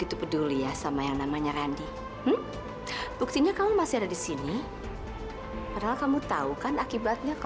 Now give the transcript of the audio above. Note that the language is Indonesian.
sudah saatnya kita ambil alih cafe nya